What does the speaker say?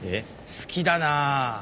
好きだなぁ。